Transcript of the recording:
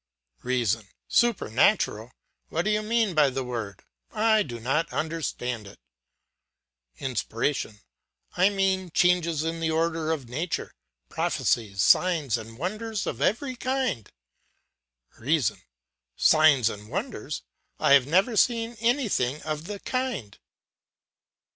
"REASON: Supernatural! What do you mean by the word? I do not understand it. "INSPIRATION: I mean changes in the order of nature, prophecies, signs, and wonders of every kind. "REASON: Signs and wonders! I have never seen anything of the kind.